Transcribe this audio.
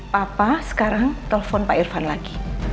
papa sekarang telepon pak irfan lagi